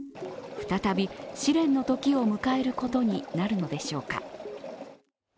再び試練の時を迎えることになるのでしょうか。